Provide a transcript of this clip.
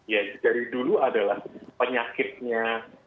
ya dari dulu adalah penyakitnya